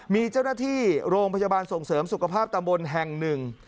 มีเจ้าหน้าที่โรงพยาบาลส่งเสริมสุขภาพตำบลแห่งหนึ่ง